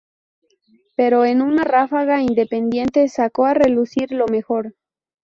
Pero, en una ráfaga, Independiente sacó a relucir lo mejor.